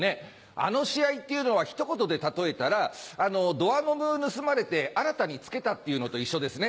あの試合っていうのは一言で例えたらドアノブ盗まれて新たに付けたっていうのと一緒ですね。